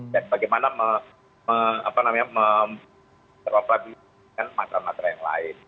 dan bagaimana memperlapidikan matra matra yang lain